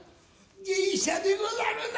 芸者でござるな。